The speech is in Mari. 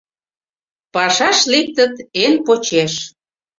Пашаш лектыт эн почеш